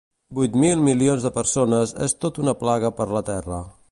Vuit mil milions de persones és tota una plaga per la terra